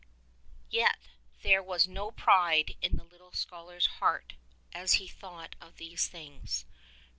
Yet there was no pride in the little scholar's heart as he thought of these things.